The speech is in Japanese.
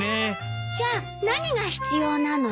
じゃあ何が必要なの？